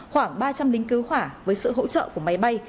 khoảng ba trăm linh lính cứu hỏa với sự hỗ trợ của máy bay